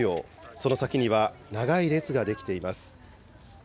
その先には長い列が出来ています。